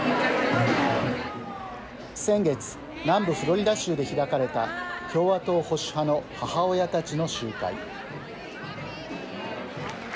先月南部フロリダ州で開かれた共和党保守派の母親たちの集会。